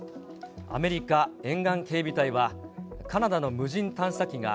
アメリカ沿岸警備隊は、カナダの無人探査機が、